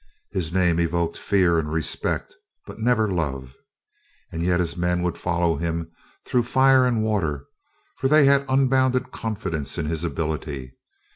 His name evoked fear and respect, but never love. And yet, his men would follow him through fire and water, for they had unbounded confidence in his ability.